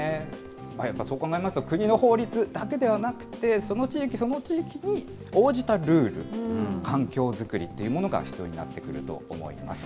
やっぱりそう考えますと、国の法律だけではなくて、その地域、その地域に応じたルール、環境作りっていうものが必要になってくると思います。